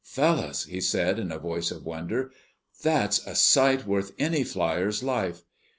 "Fellows," he said in a voice of wonder. "That's a sight worth any flier's life.